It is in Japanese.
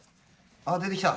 あ出てきた。